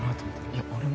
いや俺も。